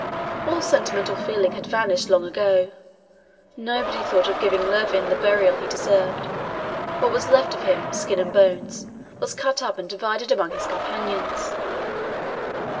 All sentimental feeling had vanished long ago; nobody thought of giving Lurven the burial he deserved. What was left of him, skin and bones, was cut up and divided among his companions.